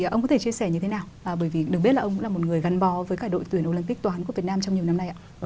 ông có thể chia sẻ như thế nào bởi vì được biết là ông cũng là một người gắn bó với cả đội tuyển olympic toán của việt nam trong nhiều năm nay ạ